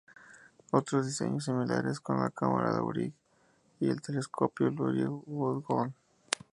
Otros diseños similares son la cámara de Wright y el telescopio Lurie-Houghton.